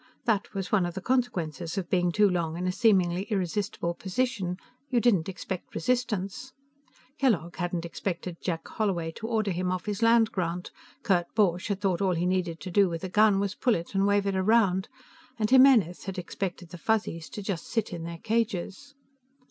That was one of the consequences of being too long in a seemingly irresistible position; you didn't expect resistance. Kellogg hadn't expected Jack Holloway to order him off his land grant. Kurt Borch had thought all he needed to do with a gun was pull it and wave it around. And Jimenez had expected the Fuzzies to just sit in their cages.